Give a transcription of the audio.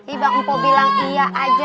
ibu bilang iya aja